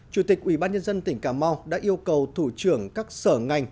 chủ tịch ubnd tỉnh cà mau đã yêu cầu thủ trưởng các sở ngành